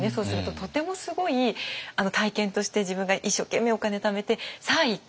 とてもすごい体験として自分が一生懸命お金ためてさあ行った！